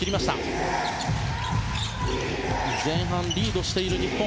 前半リードしている日本。